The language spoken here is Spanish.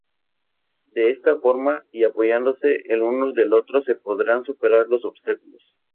De esta forma y apoyándose el uno del otro se podrán superar los obstáculos.